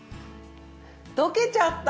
溶けちゃった。